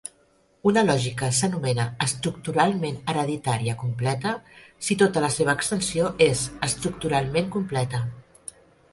Una lògica s'anomena estructuralment hereditària completa si tota la seva extensió és estructuralment completa.